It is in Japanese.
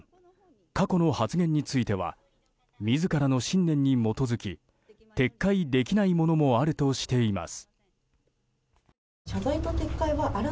過去の発言については自らの信念に基づき撤回できないものもあるとしています。